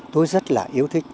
tôi rất là yêu thích